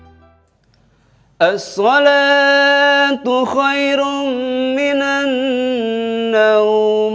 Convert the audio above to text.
as'alatu khairum minannawum